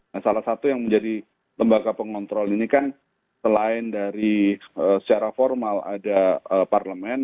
nah salah satu yang menjadi lembaga pengontrol ini kan selain dari secara formal ada parlemen